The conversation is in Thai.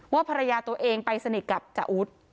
ภรรยาตัวเองไปสนิทกับจ่าอุ๊ด